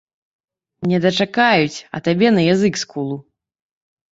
Не дачакаюць, а табе на язык скулу.